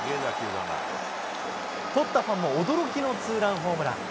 捕ったファンも驚きのツーランホームラン。